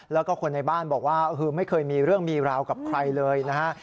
แล้วก็คนในบ้านบอกว่าไม่เคยมีเรื่องมีราวกับใครเลยนะฮะ